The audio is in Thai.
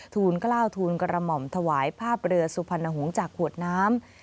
ทูลกล้าวทูลกระหม่อมถวายภาพเรือสุพรรณหงษ์จากขวดน้ำ